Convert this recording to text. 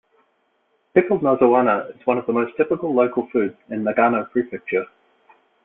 Pickled nozawana is one of the most typical local foods in Nagano Prefecture.